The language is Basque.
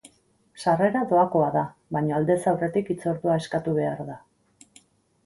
Sarrera doakoa da, baina aldez aurretik hitzordua eskatu behar da.